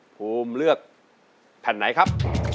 ภูมิเลือกแผ่นไหนครับ